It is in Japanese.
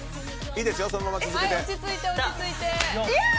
いいですよ、そのまま続けて。